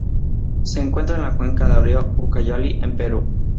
Se encuentran en la cuenca del Río Ucayali, en Perú.